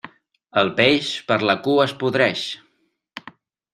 El peix per la cua es podreix.